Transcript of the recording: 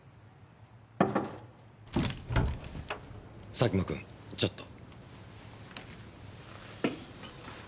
佐久間君ちょっと。